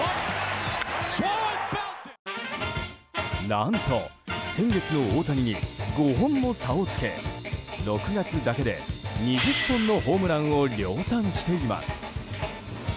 何と、先月の大谷に５本の差をつけ６月だけで２０本のホームランを量産しています。